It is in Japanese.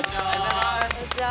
こんにちは。